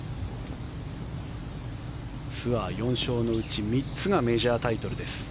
ツアー４勝のうち３つがメジャータイトルです。